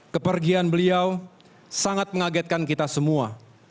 kepergian beliau sangat mengagetkan kita semua